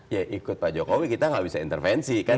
ya ikut pak jokowi kita gak bisa intervensi kan